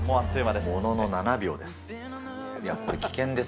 ものの７秒です。